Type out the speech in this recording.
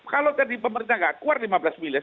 kalau tadi pemerintah nggak keluar lima belas miliar